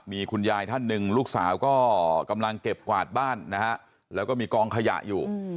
มีคุณยายท่านหนึ่งลูกสาวก็กำลังเก็บกวาดบ้านนะฮะแล้วก็มีกองขยะอยู่